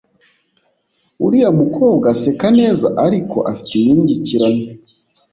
Uriya mukobwa aseka neza ariko afite impingikirane